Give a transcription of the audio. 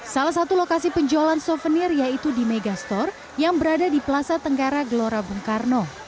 salah satu lokasi penjualan souvenir yaitu di mega store yang berada di plaza tenggara gelora bung karno